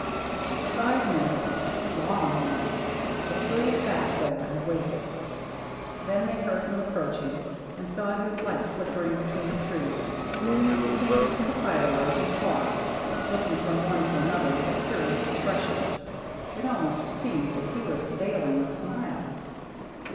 For five minutes — long minutes — the three sat there and waited. Then they heard him approaching, and saw his light flickering between the trees. He came into the firelight, and paused, looking from one to another with a curious expression. It almost seemed that he was veiling a smile.